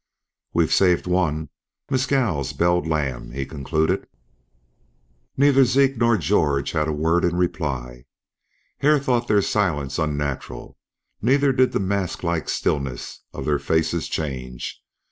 "We've saved one, Mescal's belled lamb," he concluded. Neither Zeke nor George had a word in reply. Hare thought their silence unnatural. Neither did the mask like stillness of their faces change.